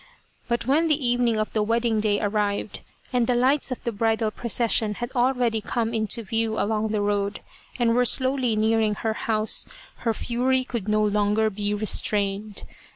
But when the evening of the wedding day arrived, and the lights of the bridal procession had already come into view along the road, and were slowly nearing the house, her fury could no longer be restrained.